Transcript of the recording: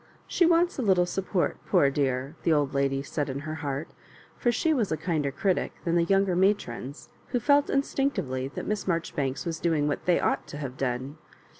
" She wants a little support, poor dear," the old lady said in her heart ; for she was a kinder critic than the younger matrons, who felt instinctively that Miss Marjoribanks was doing what they ought to have done.